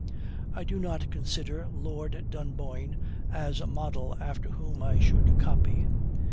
"I do not consider Lord Dunboyne as a model after whom I should copy.